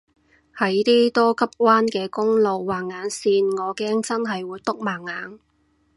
喺啲多急彎嘅公路畫眼線我驚真係會篤盲眼